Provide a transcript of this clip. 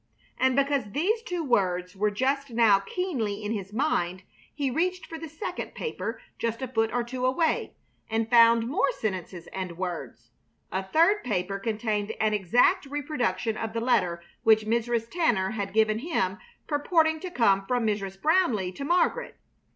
And because these two words were just now keenly in his mind he reached for the second paper just a foot or two away and found more sentences and words. A third paper contained an exact reproduction of the letter which Mrs. Tanner had given him purporting to come from Mrs. Brownleigh to Margaret.